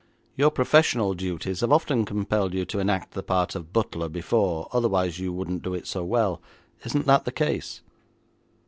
'Your professional duties have often compelled you to enact the part of butler before, otherwise you wouldn't do it so well. Isn't that the case.'